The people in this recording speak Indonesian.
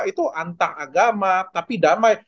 itu antar agama tapi damai